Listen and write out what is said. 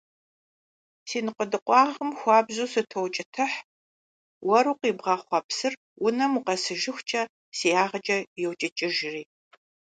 Си ныкъуэдыкъуагъым хуабжьу сытоукӀытыхь, уэру къибгъэхъуа псыр унэм укъэсыжыхукӀэ си ягъэкӀэ йокӀыкӀыжри.